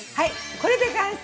これで完成！